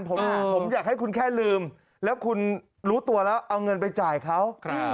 ผมอยากให้คุณแค่ลืมแล้วคุณรู้ตัวแล้วเอาเงินไปจ่ายเขา